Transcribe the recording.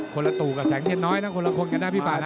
คนละตู่กับแสงเทียนน้อยนะคนละคนกันนะพี่ป่านะ